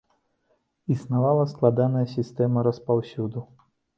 Існавала складаная сістэма распаўсюду.